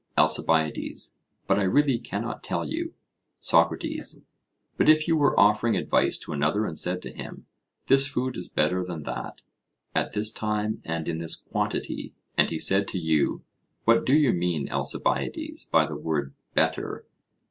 ALCIBIADES: But I really cannot tell you. SOCRATES: But if you were offering advice to another and said to him This food is better than that, at this time and in this quantity, and he said to you What do you mean, Alcibiades, by the word 'better'?